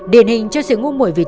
điển hình cho sự ngu mội vì tình